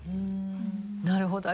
なるほど。